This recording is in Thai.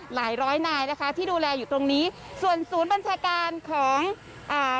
หลายร้อยนายนะคะที่ดูแลอยู่ตรงนี้ส่วนศูนย์บัญชาการของอ่า